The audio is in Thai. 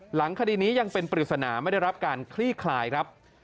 หลังคดีนี้ยังเป็นปริศนาไม่ได้รับการคลี่คลายครับ